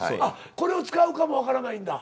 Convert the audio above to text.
これを使うかも分からないんだ。